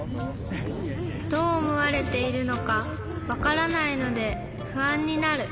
どうおもわれているのかわからないのでふあんになる。